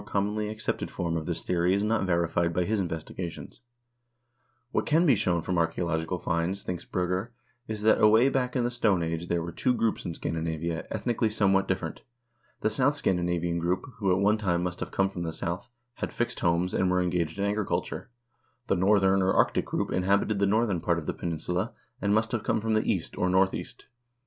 This pre Aryan race is the same, he thinks, as the Jonisei Ostiakian people 38 HISTORY OF THE NORWEGIAN PEOPLE archaeological finds, thinks Br0gger, is that away back in the Stone Age there were two groups in Scandinavia, ethnically somewhat different. The south Scandinavian group, who at one time must have come from the south, had fixed homes, and were engaged in agriculture. The northern or arctic group inhabited the northern part of the peninsula, and must have come from the east, or north east.